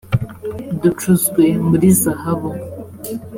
ducuzwe muri zahabu